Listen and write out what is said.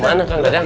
ke mana kang dadan